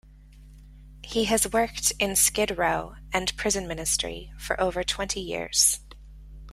He has worked in skid row and prison ministry for over twenty years.